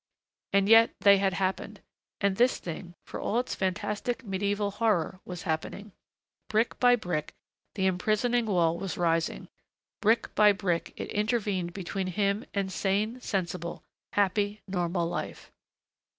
And yet they had happened. And this thing, for all its fantastic medieval horror, was happening. Brick by brick the imprisoning wall was rising. Brick by brick it intervened between him and sane, sensible, happy, normal life.